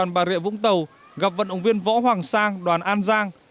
bà rịa vũng tàu gặp vận động viên võ hoàng sang đoàn an giang